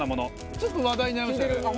ちょっと話題になりましたよね。